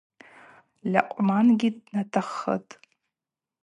Льакъвмангьи днатаххытӏ.